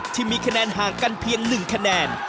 ที่มีคะแนนห่างกันเพียง๑คะแนน